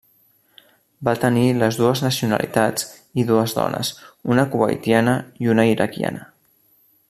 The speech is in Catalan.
Va tenir les dues nacionalitats i dues dones, una kuwaitiana i una iraquiana.